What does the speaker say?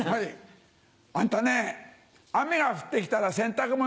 あんたね雨が降って来たら洗濯物